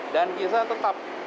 dan bisa tetap